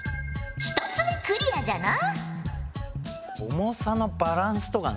１つ目クリアじゃな。